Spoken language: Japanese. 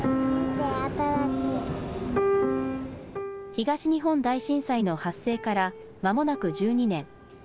東日本大震災の発生から、まもなく１２年。